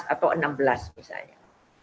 atau enam belas misalnya